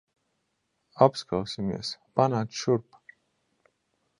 Apskausimies. Panāc šurp.